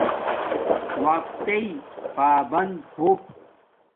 وقت تݵ پابند ہو